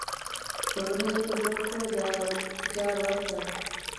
سرونه یې یو تر بله سره جارواته.